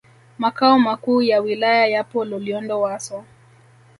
Makao Makuu ya Wilaya yapo Loliondo Wasso